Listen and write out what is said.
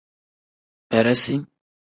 Beresi.